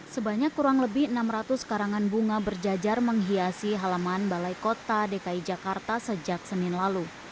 sebanyak kurang lebih enam ratus karangan bunga berjajar menghiasi halaman balai kota dki jakarta sejak senin lalu